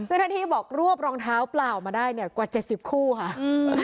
เจ้าหน้าที่บอกรวบรองเท้าเปล่ามาได้เนี่ยกว่าเจ็ดสิบคู่ค่ะ